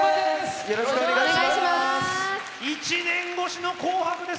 １年越しの紅白です。